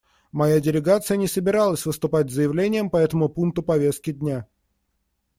Моя делегация не собиралась выступать с заявлением по этому пункту повестки дня.